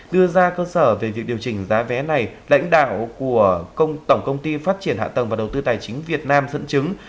đưa ra cơ sở về việc điều chỉnh giá vé này lãnh đạo của tổng công ty phát triển hạ tầng và đầu tư tài chính việt nam dẫn chứng